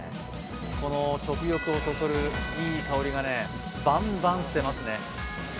この食欲をそそるいい香りがね、バンバンしてますね。